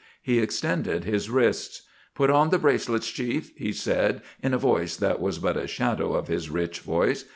He extended his wrists. "Put on the bracelets, Chief," he said, in a voice that was but a shadow of his rich voice.